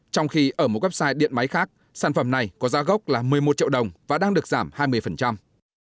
trong khi ở một website điện máy khác sản phẩm này có giá gốc là một mươi một triệu đồng và đang được giảm hai mươi